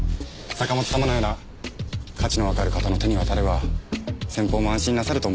坂本様のような価値のわかる方の手に渡れば先方も安心なさると思うのですが。